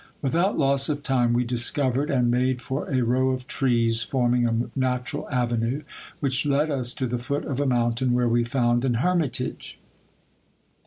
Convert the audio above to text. Without loss of time we discovered and made for a row of trees, forming a natural avenue, which led us to the foot of a mountain, where we found an hermitage.